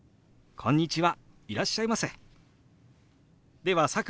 「こんにちは。